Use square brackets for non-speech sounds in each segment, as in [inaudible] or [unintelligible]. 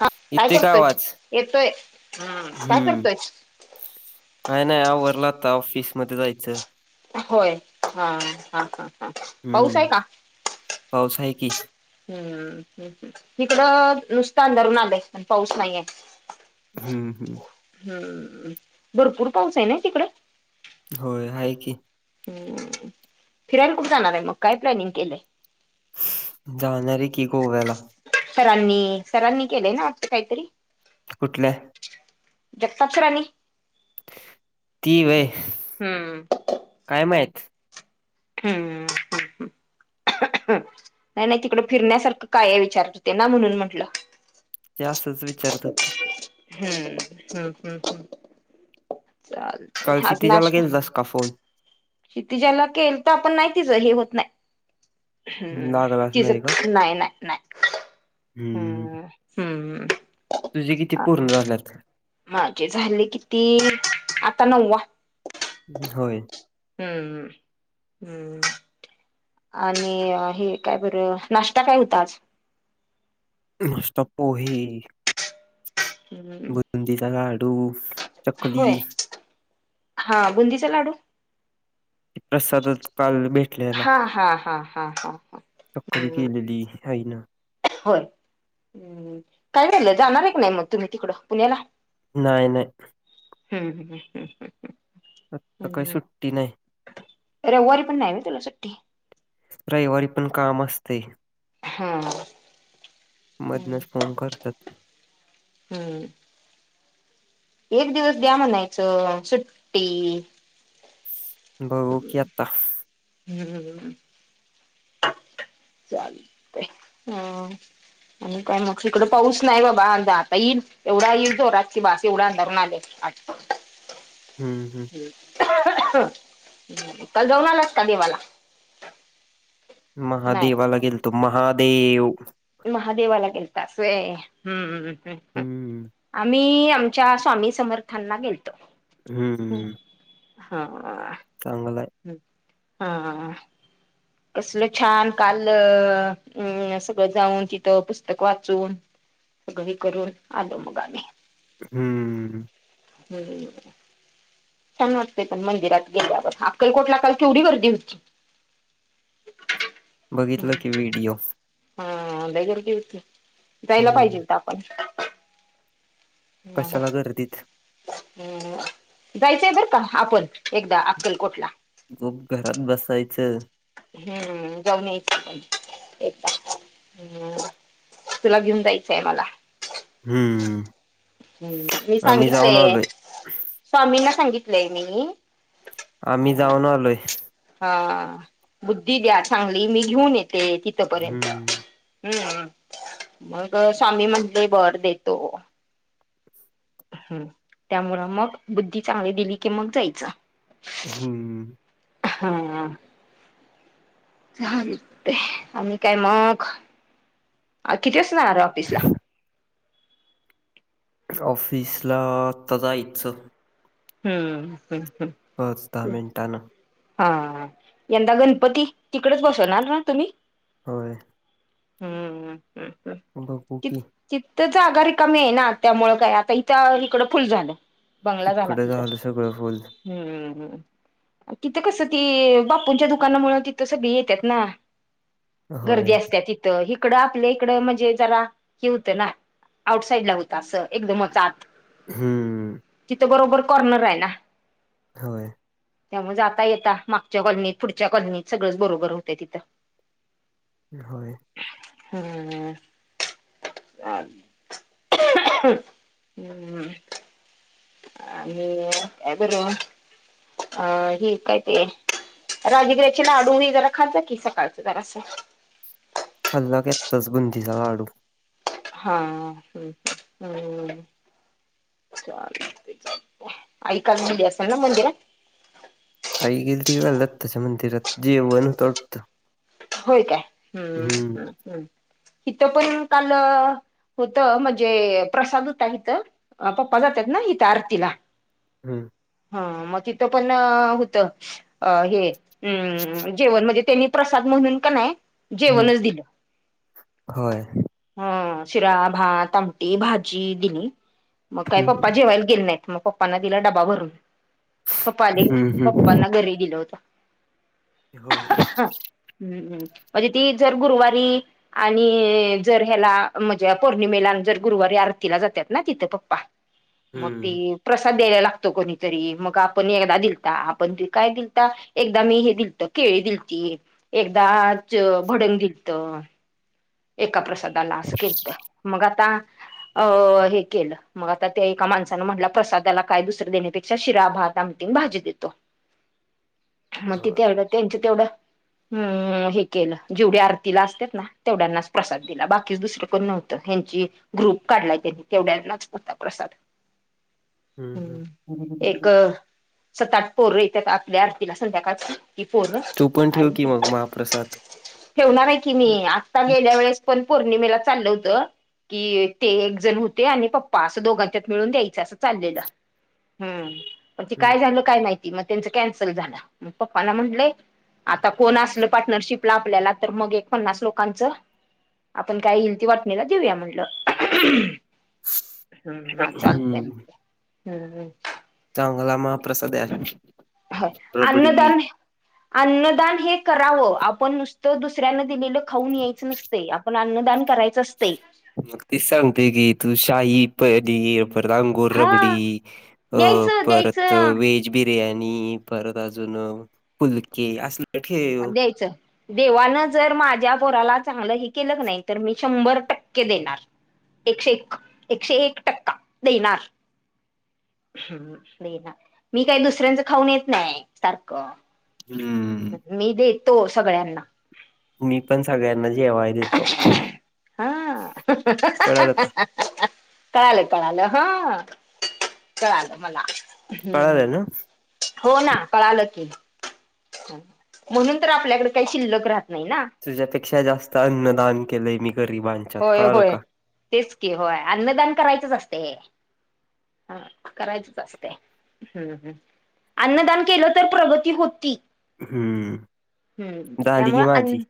हा, काय येतोय का करतोय, आवाज? येतोय, काय हम्म. करतोय? काय नाही. आवरल आता ऑफिसमध्ये जायचं. होय, हा, हा-हा-हा पाऊस हम्म. आहे का? पाऊस आहे की. हम्म्, इकडं नुसतं अंधारून आले, पण पाऊस नाहीये. हम्म हम्म हम्म भरपूर पाऊस आहे ना तिकडे होय हाय की हम्म फिरायला कुठे जाणार आहे मग काय प्लॅनिंग केलंय जाणारे की गोव्याला सरांनी सरांनी केलंय ना वाटत काही तरी कुठल्या जगताप सरांनी ती वय हम्म काय माहीत हम्म ह नाही नाही तिकडं फिरण्यासारखं काय आहे विचारते ना म्हणून म्हटल ते असच विचारत होती हम् हम्म चाल तय कालची आज तिच्याला नाश्ता केलतास का फोन क्षितिजा ला केलता पण नाही तिच हे होत नाही हम्म लागलाच तिज नाही का? नाही नाही नाही हम्म हम्म तुझे किती पूर्ण झाल्यात माझे झाले किती आता नव्वा होय हम्म हम्म हम्म आणि हे काय बरं नाश्ता काय होता आज नाष्टा पोहे हम्म बुंदीचा लाडू चकली होय हा बुंदीचा लाडू प्रसादात काल भेटलेला हा हा हा हा हा हा चकली केलेली आईनं होय काय झाल जाणार आहे का नाही मग तुम्ही तिकड पुण्याला नाही नाही हम् ह हम हम् हम हम् आता काय सुट्टी नाही रविवारी पण नाही व्हय तुला सुट्टी रविवारी पण काम असतय हा हम्म मदनच फोन करत्यात हम्म एक दिवस द्या म्हणायचं सुट्टी बघू की आता हम् हम चालतय हम आणि काय मग इकड पाऊस नाही बाबा आता येईल एवढा येईल जोरात की बास एवढं अंधारून आलय हम्म हम् काल जाऊन आलास का देवाला? नाही महादेवाला गेलतो. महादेव महादेवाला गेेलतास होय? हम्म, हम्म. हम्म. आम्ही आमच्या स्वामी समर्थांना गेलतो हम्म. हम्म. हा. चांगलं हाय. हम्म. हा. कसलं छान? काल अं अम सगळं जाऊन, तिथं पुस्तक वाचून सगळी करून आलो मग आम्ही हम्म. हम्म. छान वाटतंय पण मंदिरात गेल्यावर. अक्कलकोटला काल केवढी गर्दी होती! [inaudible] बघितलं की व्हिडिओ. हम्म. लई गर्दी होती. जायला पाहिजे हम्म. हुतं आपण. हम्म. कशाला गर्दीत हम्म. जायचंय बरं का आपण, एकदा अक्कलकोटला गप घरात बसायचं हम्म जाऊन यायचं पण. एकदा हम्म. तुला घेऊन जायचंय मला हम्म. हम्म, मी आम्ही जाऊन सांगितलंय. आलोय. स्वामींना सांगितलंय मी आम्ही हा जाऊन आलोय हा. बुद्धी द्या चांगली. मी घेऊन येते तीथपर्यंत हम्म. हम्म. मग स्वामी म्हटले बरं, देतो. हम्म. त्यामुळं मग बुद्धी चांगली दिली की मग जायचं. हम्म. हम्म. [unintelligible] ते. आणि काय मग? आज किती वाजता जाणारे ऑफिसला? ऑफिसला, आत्ता जायचं. हम्. हम्म. हं. पाच दहा मिनटानं. हा. यंदा गणपती, तिकडेच बसवणार ना तुम्ही? होय. हम्म. हम्म. बघू ति की. तिथं जागा रिकामी आहे ना त्यामुळे काय, आता इकडं फुल झालं. बंगला झाला. इकडं तिथं. झालं सगळं फुल. हम्म हं. तिथं कसं ती, बापूंच्या दुकानामुळं तिथं सगळी येतात ना. गर्दी होय. असत्या तिथं. हीकडं आपल्या इकडं म्हणजे जरा, हि होतं ना आउटसाईड ला होतं असं. एकदमच आत हम्म. तिथं बरोबर कॉर्नर आहे ना? होय त्यामुळे जाता येतता मागच्या कॉलनीत पुढच्या कॉलनीत सगळंच बरोबर होतय तिथं. [inaudible] होय. हम्म. अ हम्म. आई टाकायचना ही काय ते राजगीराची लाडु हे जरा खात जा की सकाळचं जरासं. खाल्ल्यावर की बुंदीचा लाडू. हा ह् हम्. आई चाल म्हणली असेल ना मंदिरात. आई गेलती काल दत्ताच्या मंदिरात जेवन होतं वाटतं. होय काय हम्म हम इथं पण काल होत म्हणजे प्रसाद होता इथं. पप्पा जातात ना इथं आरतीला. हम्म. हा मग तिथं पण होत हे अ जेवण म्हणजे त्यांनी त्याना म्हंग का नाही हम्म जेवणच दिलं. होय हा शिरा, भात, आमटी, भाजी, दिली मग काही पप्पा हम्म जेवायला गेले नाहीत. मग पप्पांना दिला डबा भरून पप्पा आले हम्म हम्म. पप्पांना घरी दिलं होत. हो. हम्म हम् म्हणजे ती जर गुरुवारी. आणि जर ह्याला म्हणजे पौर्णिमेला दर गुरुवारी आरतीला जातात ना तिथं पप्पा. मग ती. हम्म प्रसाद द्यायला लागतो. कोणीतरी मग आपण एकदा दिलता आपण काय दिलता? एकदा मी हे दिलत केळी दिलती एकदा भडंग दिलत. एका प्रसादाला असं केलत मग आता अ हे केलं. मग आता त्या एका माणसानं म्हटलं प्रसादाला काय दुसरं देण्यापेक्षा शिरा भात आमटीन भाजी देतो. [inaudible] मग होय तिथे त्यांच तेवढं हम् हे केलं जेवढ्या आरतीला असतात ना तेवढ्यांनाच प्रसाद दिला बाकीच दुसरं कोण नव्हतं त्यांची ग्रुप काढलाय त्यांनी तेवढ्यांनाच होता प्रसाद. [inaudible] हम्म एक सात आट पोरं येतात आपल्या आरतीला संध्याकाळच्या कि पोर तू पण ठेव की आणि मग महाप्रसाद. ठेवणार आहे की मी आ गेल्या वेळेस पण पौर्णिमेला चाल होतं. कि ते एक जण होते. आणि पप्पा असं दोघांच्यात मिळून द्यायचं असं चाललेलं. हम्म पण ते हम्म काय झालं काय माहिती? मग त्यांच कॅन्सल झालं मग पप्पाना म्हंटलंय आता कोण असलं पार्टनरशिपला आपल्याला तर मग एक पन्नास लोक कांच आपण काय येईल ते वाटणीला देऊया म्हणल. हम्म म चालत हम्म. म्हटल. चांगला महा प्रसाद द्यायला मी. अन्नदान, अन्नदान हे करावं आपण नुसतं दुसऱ्याने दिलेलं खाऊन यायचं नसते. आपण अन्नदान करायचं असते. मग ती सांगते की तू शाही पडलीये परत अंगूररबडी हा अ द्यायचं परत द्यायचं वेज बिर्याणी, परत अजुन फुलकं. अ द्यायचं. देवानं जर माझ्या पोराला चांगलं हे केलं नाही तर मी शंभर टक्के देणार. एकशे एक एकशे एक टक्का देणार. हम्म दे ना मी काही दुसऱ्यांचं खाऊन येत नाही सारखं. हम्म मी देतो सगळ्यांना. मी पण सगळ्यांना जेवाय देतो. हा [inaudible] कळालं का कळालं कळालं हां कळालं मला, कळालं ना हो ना कळालं की. म्हणून तर आपल्याकडे काही शिल्लक राहत नाही ना. तुझ्यापेक्षा जास्त अन्नदान केलंय मी गरिबां होय होय तेच की होय अन्नदान करायचं असते की, हा करायचच असते हम्म हम्म. अन्नदान केलं तर प्रगती होती. हम्म हम्म झाली त्यामुळं की माझी अन्न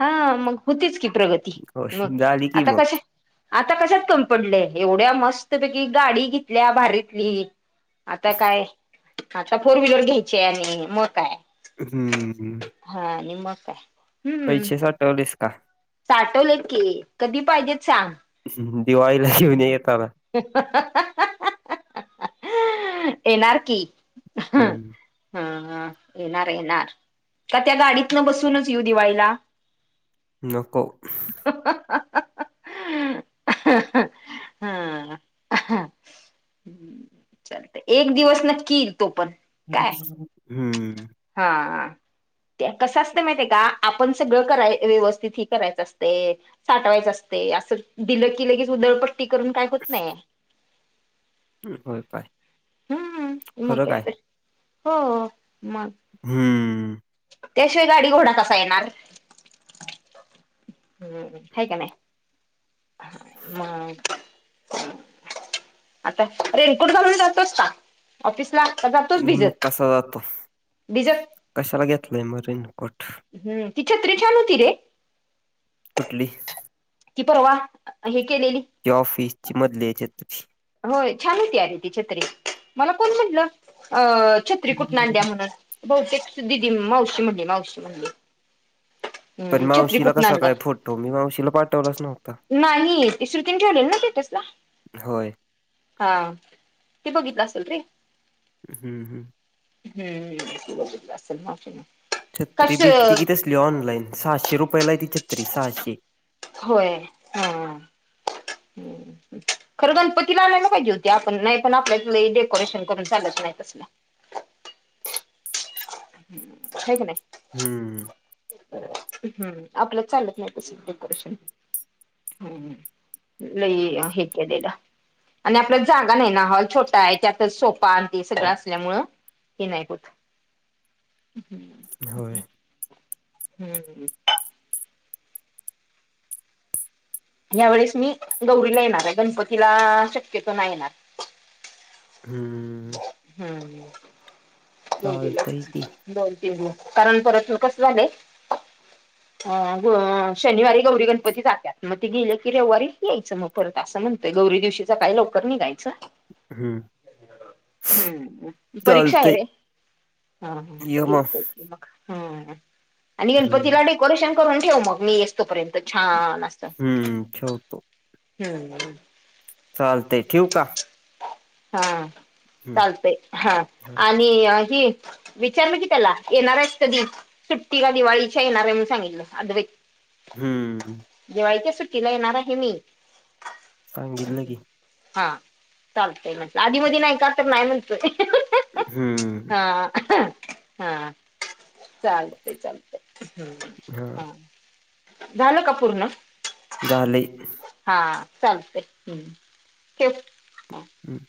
हा मग होतीच की प्रगती, हो मग झाली की आता कश मग आता कशात कमी पडलेय मस्त पैकी गाडी भारीतली. आता काय आता फोर व्हीलर घ्यायचे आणि मग काय. हम्म हा आणि मग, हम्म पैसे साठवलेस का? साठवलेत की कधी पाहिजेत सांग. दिवाळीला घेऊन ये येताना. ह [inaudible] येणार की हा हम्म हा येणार येणार. का त्या गाडीतन बसूनच येऊ दिवाळीला. नको. हा हा हा एक दिवस नक्की येईल तो पण. काय हम्म हा कसं असतं माहित आहे का आपण सगळं कराय व्यवस्थित ही करायचं असते. साठवायचं असते असं दिलं की लगेच उदळपट्टी करून काय होत नाही. होय काय हम्म मग काय तर हो. हम्म त्याशिवाय गाडी घोडा कसा येणार. हम्म हाय का नाही. मग आता रेनकोट घालून जातोस का? ऑफिस ला का जातोच मग भिजत, कसा जातो? भिजत कशाला घेतलंय मग रेनकोट. हम्म ती छत्रे छान होती. रे कुठली? की परवा हे केलेली. त्या ऑफिस ची मधली आहे छत्री. होय छान होती आरे ती छत्री मला कोण म्हटलं अ छत्री कुठून आणलीया म्हणून. बहुतेक दिदी मावशी म्हणली मावशी म्हणली. पण हम्म छत्री मावशीला कुठून कसा आणल्या काय फोटो मी मावशीला पाठवलाच नव्हता. नाही ती श्रुतीने ठेवलेल ना स्टेटसला. होय. हां ते बघितलं असलं रे. हम्म हम्म. हम्म ते बघितलं असेल मावशीन. छत्री भेटती की तसली ऑनलाईन, सहाशे रुपयाला आहे ती छत्री! सहाशे! होय हां हम्म. खरं गणपतीला आणायला पाहिजे होती आपण. नाही पण आपल्यात लई डेकोरेशन करून चालत नाही तसलं. हाय की नाही. हम्म. बरं हम्म आपल्यात चालत नाही तसलं डेकोरेशन. हम्म लई हे केलेलं. आणि आपल्यात जागा नाही ना हॉल छोटा आहे. त्यातच सोफा आणि ते सगळं असल्यामुळं. हे नाही होत हम्म. होय. हम्म. यावेेळेस मी गौरीला येणार आहे. गणपतीला शक्यतो नाही येणार. हम्म. हम्म ला गौरीलाच चालतंय की. दोन तीन दिवस कारण परतन कसं झालंय अ शनिवारी गौरी गणपती जातेत. मग ते गेले की रविवारी यायचं मग. परत असं म्हणतोय गौरी दिवशी सकाळी लवकर निघायचं. हम्म. हम्म परीक्षा आहे चालतंय. रे, हां हां ये मग. येतो. मग हां आणि हं. गणपतीला डेकोरेशन करून ठेव मग मी ये ई तोपर्यंत छान अस हं. ठेवतो. हम्म. चालतय ठेऊ का? हां हं. चालतय हां आणि हे विचारलो की त्याला येणार आहेस कधी? सुट्टीला दिवाळीच्या येणार आहे म्हणून सांगितला अद्वैत. हम्म. दिवाळीच्या सुट्टीला येणार आहे मी सांगितलं की. हां. येतोय म्हंटला आधी मधी नाही का! तर नाही म्हणतोय. हं. हां चालतंय चालतंय हम्म हां. झालं का पूर्ण? झालंय. हां चालतंय हम्म ठेव. हा हम्म.